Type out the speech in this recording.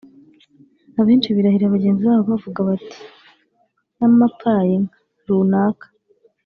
Abenshi birahira bagenzi babo bavuga bati ‘yamapaye inka’ [runaka]